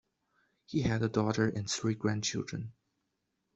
He had a daughter and three grandchildren.